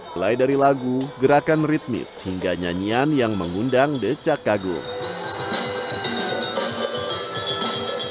mulai dari lagu gerakan ritmis hingga nyanyian yang mengundang decak kagum